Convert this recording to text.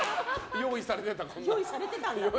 用意されてた。